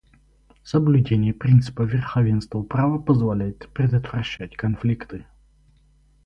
Соблюдение принципа верховенства права позволяет предотвращать конфликты.